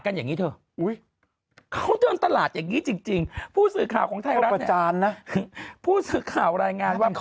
กันอย่างนี้เธออย่างนี้จริงผู้สื่อข่าวของไทยคิดข่าวรายงานว่า